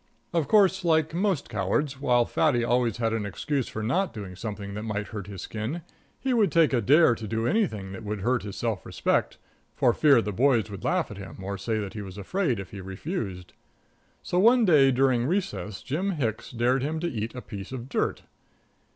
Of course, like most cowards, while Fatty always had an excuse for not doing something that might hurt his skin, he would take a dare to do anything that would hurt his self respect, for fear the boys would laugh at him, or say that he was afraid, if he refused. So one day during recess Jim Hicks dared him to eat a piece of dirt.